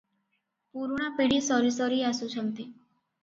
ପୁରୁଣା ପିଢ଼ି ସରିସରି ଆସୁଛନ୍ତି ।